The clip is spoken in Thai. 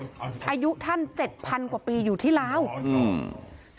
อายุท่านเจ็ดพันกว่าปีอยู่ที่ลาวอืม